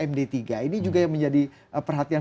md tiga ini juga yang menjadi perhatian